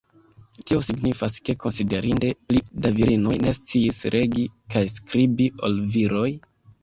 Tio signifas ke konsiderinde pli da virinoj ne sciis legi kaj skribi ol viroj.